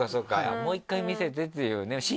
もう１回見せてっていうね。